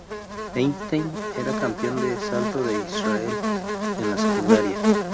Einstein era campeón de salto de Israel en la secundaria.